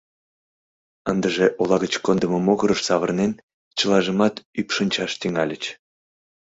Ындыже ола гыч кондымо могырыш савырнен, чылажымат ӱпшынчаш тӱҥальыч.